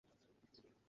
এখানে ফিরে আসো!